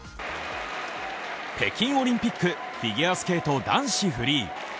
北京オリンピックフィギュアスケート男子フリー。